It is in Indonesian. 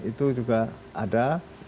itu juga ada